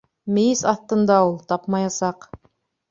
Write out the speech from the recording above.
— Мейес аҫтында ул, тапмаясаҡ.